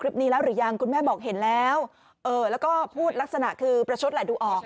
นี้แล้วหรือยังคุณแม่บอกเห็นแล้วเออแล้วก็พูดลักษณะคือประชดแหละดูออก